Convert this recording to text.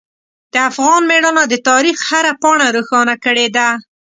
د افغان میړانه د تاریخ هره پاڼه روښانه کړې ده.